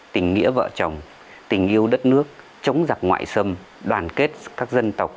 tình nghĩa vợ chồng tình yêu đất nước chống giặc ngoại xâm đoàn kết các dân tộc